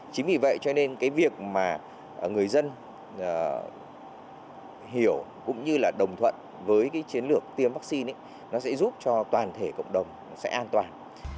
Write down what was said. chính vì vậy cho nên cái việc mà người dân hiểu cũng như là đồng thuận với cái chiến lược tiêm vaccine nó sẽ giúp cho toàn thể cộng đồng sẽ an toàn